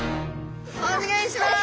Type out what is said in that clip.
お願いします！